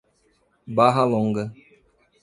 Barra Longa